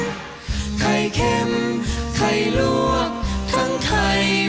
เมนูไข่เมนูไข่อร่อยแท้อยากกิน